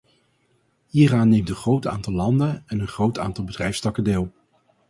Hieraan neemt een groot aantal landen en een groot aantal bedrijfstakken deel.